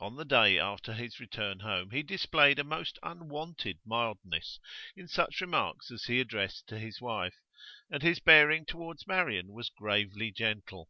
On the day after his return home he displayed a most unwonted mildness in such remarks as he addressed to his wife, and his bearing towards Marian was gravely gentle.